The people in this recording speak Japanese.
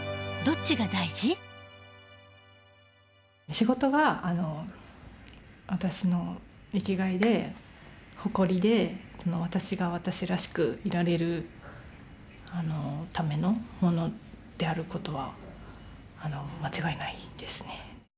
仕事が私の生きがいで誇りで私が私らしくいられるためのものである事は間違いないですね。